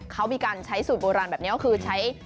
เขามีการใช้สูตรโบราณแบบนี้ก็คือใช้